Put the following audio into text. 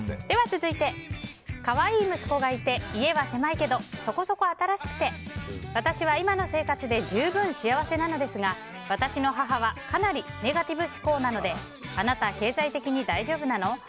では続いて可愛い息子がいて家は狭いけど、そこそこ新しくて私は今の生活で十分幸せなのですが私の母はかなりネガティブ思考なのであなた、経済的に大丈夫なの？